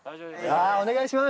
あお願いします。